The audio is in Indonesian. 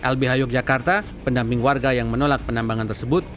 lb hayok jakarta pendamping warga yang menolak penambangan tersebut